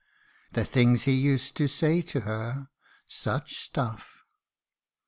The things he us'd to say to her such stuff!